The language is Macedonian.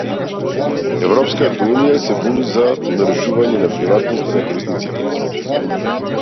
Европската Унија се буни за нарушување на приватноста на корисниците.